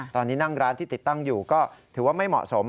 ตอนนี้นั่งร้านที่ติดตั้งอยู่ก็ถือว่าไม่เหมาะสม